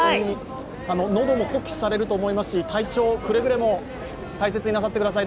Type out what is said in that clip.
喉も酷使されると思いますし、体調、くれぐれも大事になさってください。